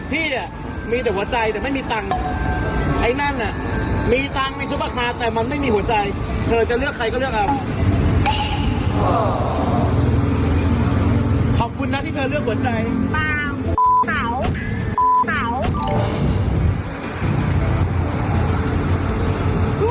พี่เนี่ยมีแต่หัวใจแต่ไม่มีตังค์ไอ้แม่งเนี่ยมีตังค์มีซูเปอร์คารด์แต่มันไม่มีหัวใจ